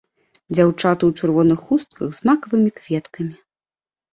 Дзяўчаты ў чырвоных хустках з макавымі кветкамі.